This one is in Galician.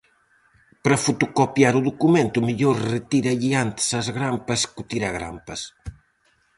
Para fotocopiar o documento, mellor retíralle antes as grampas co tiragrampas.